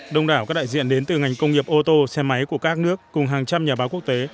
đông đảo các đại diện đến từ ngành công nghiệp ô tô xe máy của các nước cùng hàng trăm nhà báo quốc tế